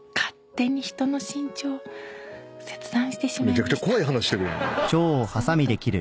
めちゃくちゃ怖い話してるやん！